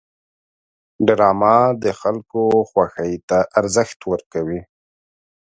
ډرامه د خلکو خوښې ته ارزښت ورکوي